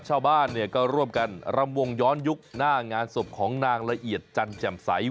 ชาวบ้านเนี่ยก็ร่วมกันรำวงย้อนยุคหน้างานศพของนางละเอียดจันแจ่มใส